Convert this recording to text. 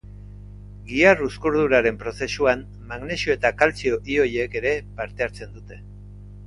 Gihar-uzkurduraren prozesuan magnesio eta kaltzio ioiek ere parte hartzen dute.